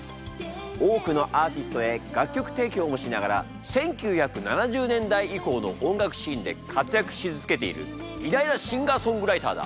多くのアーティストへ楽曲提供もしながら１９７０年代以降の音楽シーンで活躍し続けている偉大なシンガーソングライターだ！